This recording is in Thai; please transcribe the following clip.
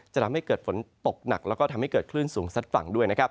จะทำให้เกิดฝนตกหนักและทำให้เกิดคลื่นสูงสัตว์ฝั่งด้วย